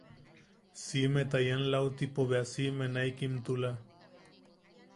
Siʼime... ta ian lautipo bea siʼime naʼikimtula.